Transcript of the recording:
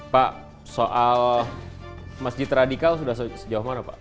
pak soal masjid radikal sudah sejauh mana pak